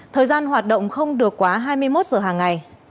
thời gian hoạt động không được quá hai mươi một giờ hàng ngày